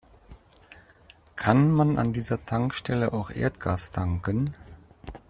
Kann man an dieser Tankstelle auch Erdgas tanken?